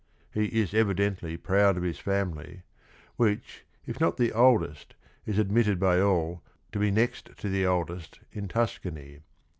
He is evidently proud of his family, which if not the oldest is admitted by all to be next to the oldest in Tuscany.